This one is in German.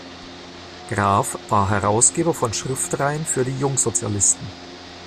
Graf war Herausgeber von Schriftenreihen für die Jungsozialisten.